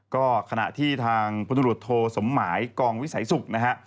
ก็ขณะที่ทางพนุรโทสมหมายกองวิสัยศุกร์